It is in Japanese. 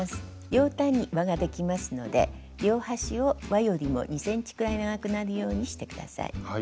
両端にわができますので両端をわよりも２ｃｍくらい長くなるようにして下さい。